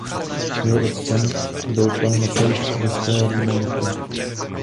Jeho otcem byl pan Matouš ze Šternberka.